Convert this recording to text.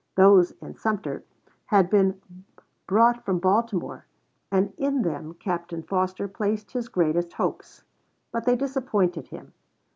Those in Sumter had been brought from Baltimore, and in them Captain Foster placed his greatest hopes; but they disappointed him.